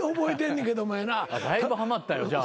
だいぶはまったよじゃあ。